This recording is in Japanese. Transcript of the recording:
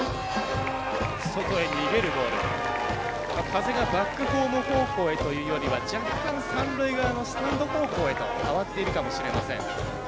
風がバックホーム方向というよ若干、三塁側のスタンド方向へと変わっているかもしれません。